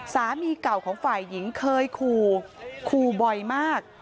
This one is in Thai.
สามีเก่าของฝ่ายหญิงเคยขู่ขู่บ่อยมาก